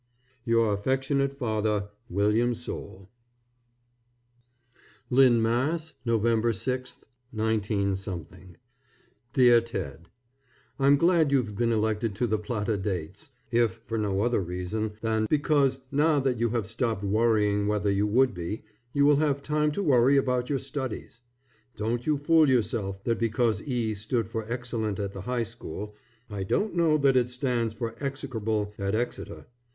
Your affectionate father, WILLIAM SOULE. LYNN, MASS., _November 6, 19 _ DEAR TED: I'm glad you've been elected to the Plata Dates, if for no other reason than because now that you have stopped worrying whether you would be, you will have time to worry about your studies. Don't you fool yourself that because E stood for excellent at the high school, I don't know that it stands for Execrable at Exeter.